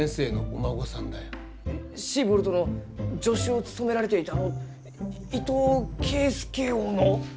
シーボルトの助手を務められていたあの伊藤圭介翁の？